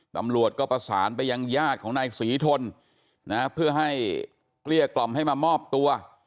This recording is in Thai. ตำรวจก็ประสานไปยังญาติของนายศรีทนนะเพื่อให้เกลี้ยกล่อมให้มามอบตัว